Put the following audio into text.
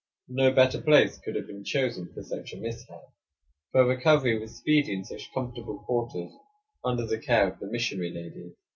No better place could have been chosen for such a mishap; for recovery was speedy in such comfortable quarters, under the care of the missionary ladies.